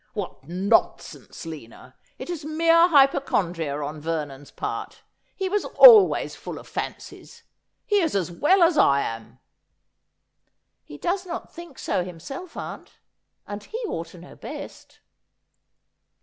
' What nonsense, Lina ! It is mere hypochondria on Ver non's part. He was always full of fancies. He is as well as I am.' ' He does not think so himself, aunt ; and he ought to know best.'